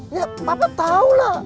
ya papa tahu lah